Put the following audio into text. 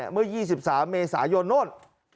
เมื่อ๒๓เมษายนโน่น